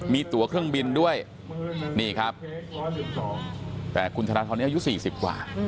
มีตัวเครื่องบินด้วยนี่ครับแต่คุณธนทรนี้อายุ๔๐กว่า